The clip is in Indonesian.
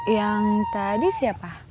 yang tadi siapa